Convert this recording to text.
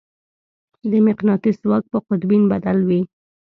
د مقناطیس ځواک په قطبین بدل وي.